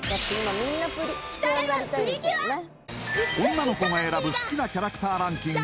女の子が選ぶ好きなキャラクターランキング